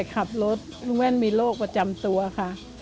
ลุงแว่นเรื่องของแม่ก็คลับรถลูงแว่นมีโรคประจำตัวค่ะ